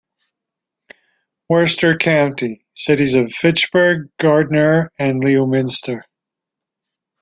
Worcester County: Cities of Fitchburg, Gardner, and Leominster.